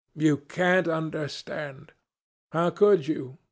You can't understand. How could you?